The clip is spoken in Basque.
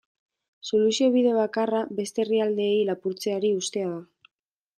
Soluzio bide bakarra beste herrialdeei lapurtzeari uztea da.